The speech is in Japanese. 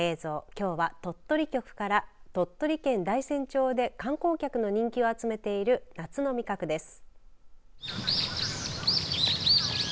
きょうは鳥取局から鳥取県大山町で観光客の人気を集めている夏の味覚です。